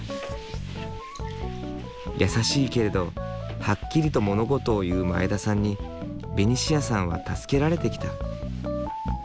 優しいけれどはっきりと物事を言う前田さんにベニシアさんは助けられてきた。